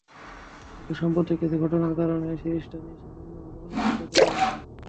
কিন্তু সাম্প্রতিক কিছু ঘটনার কারণে সিরিজটা নিয়ে সামান্য হলেও অনিশ্চয়তা তৈরি হয়েছে।